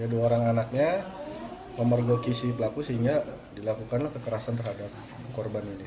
dua orang anaknya memergoki si pelaku sehingga dilakukanlah kekerasan terhadap korban ini